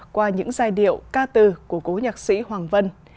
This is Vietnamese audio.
qua những giai điệu ca từ của cố nhạc sĩ hoàng vân